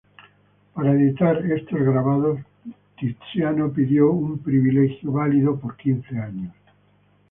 Para editar estos grabados Tiziano pidió un privilegio válido por quince años.